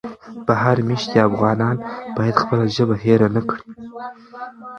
بهر مېشتي افغانان باید خپله ژبه هېره نه کړي.